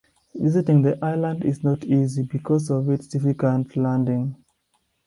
Visiting the island is not easy because of its difficult landing.